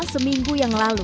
seminggu yang lalu